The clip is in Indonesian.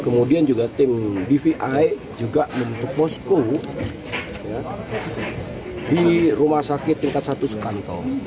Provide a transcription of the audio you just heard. kemudian juga tim dvi juga membentuk posko di rumah sakit tingkat satu spanyol